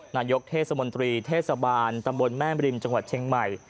นายกเทศมนตรีเทศบาลตำบลแม่มริมจังหวัดเชียงใหม่